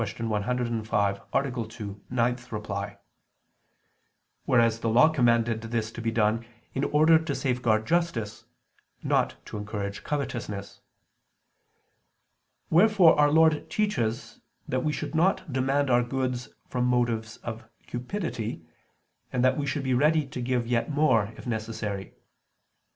105, A. 2, ad 9); whereas the Law commanded this to be done in order to safeguard justice, not to encourage covetousness. Wherefore Our Lord teaches that we should not demand our goods from motives of cupidity, and that we should be ready to give yet more if necessary.